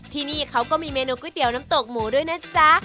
ที่นี่เขาก็มีเมนูก๋วยเตี๋ยวน้ำตกหมูด้วยนะจ๊ะ